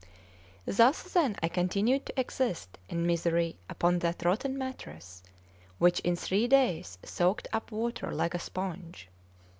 Thus, then, I continued to exist in misery upon that rotten mattress, which in three days soaked up water like a sponge.